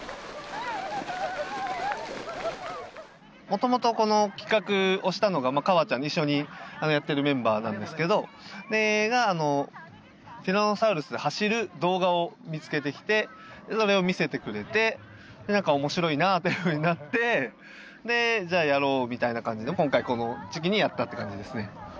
もともとこの企画をしたのがかわちゃん一緒にやっているメンバーなんですけど。がティラノサウルスで走る動画を見つけてきてそれを見せてくれてでなんか面白いなっていうふうになってでじゃあやろうみたいな感じで今回この時期にやったって感じですね。